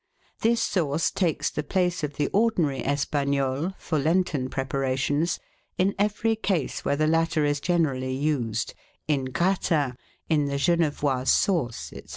This sauce takes the place of the ordinary Espagnole, for Lenten preparations, in every case where the latter is generally used, in Gratins, in the Genevoise sauce, &c.